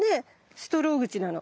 ストローぐちなの。